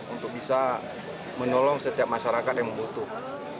untuk bisa menolong setiap masyarakat yang membutuhkan